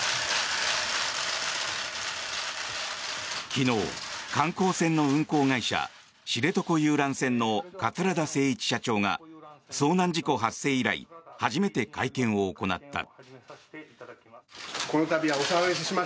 昨日、観光船の運航会社知床遊覧船の桂田精一社長が遭難事故発生以来初めて会見を行った。